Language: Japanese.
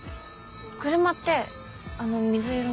車ってあの水色の？